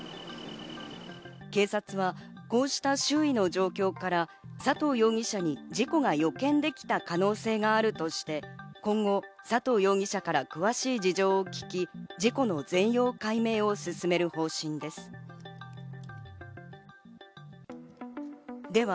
警察は、こうした周囲の状況から佐藤容疑者に事故が予見できた可能性があるとして、今後、佐藤容疑者から詳しい事情を聴き、事故の全容解明を進める方針です。